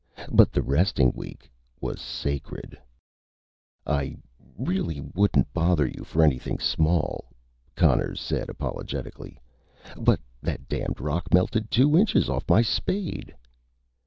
But the resting week was sacred. "I really wouldn't bother you for anything small," Conners said apologetically. "But that damned rock melted two inches off my spade."